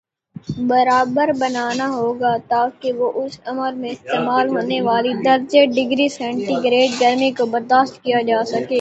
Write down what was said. برابر بنانا ہوگا تاکہ وہ اس عمل میں استعمال ہونے والی درجے ڈگری سینٹی گریڈگرمی کو برداشت کیا جا سکے